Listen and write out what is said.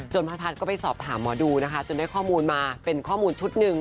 พระพัฒน์ก็ไปสอบถามหมอดูนะคะจนได้ข้อมูลมาเป็นข้อมูลชุดหนึ่ง